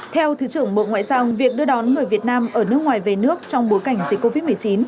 theo thứ trưởng bộ ngoại giao việc đưa đón người việt nam ở nước ngoài về nước trong bối cảnh dịch covid một mươi chín